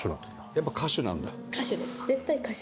やっぱ歌手なんだ？